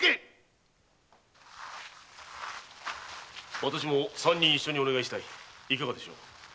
わたしも三人一緒にお願いしたいいかがでしょう？